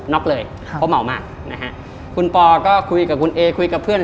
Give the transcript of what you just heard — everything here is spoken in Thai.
็อกเลยครับเพราะเมามากนะฮะคุณปอก็คุยกับคุณเอคุยกับเพื่อน